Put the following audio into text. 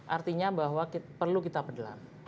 artinya bahwa perlu kita pedelam